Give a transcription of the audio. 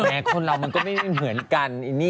คนเรามันก็ไม่เหมือนกัน